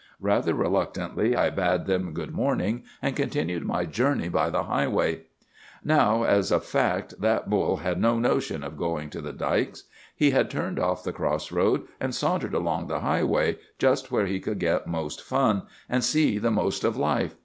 Rather reluctantly I bade them good morning and continued my journey by the highway. "'Now, as a fact, that bull had no notion of going to the dikes. He had turned off the cross road, and sauntered along the highway, just where he could get most fun, and see the most of life.